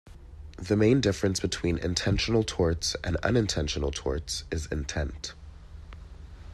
The main difference between intentional torts and unintentional torts is intent.